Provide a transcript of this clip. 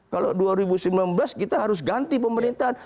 kalau dua ribu sembilan belas kita harus ganti pemerintahan